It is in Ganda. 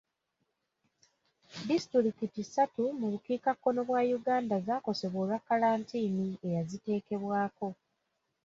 Disitulikiti ssatu mu bukiikakkono bwa Uganda zaakosebwa olwa kalantiini eyaziteekebwako.